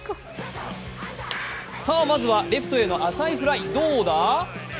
まずはレフトへの浅いフライどうだ？